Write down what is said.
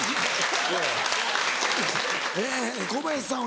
え小林さん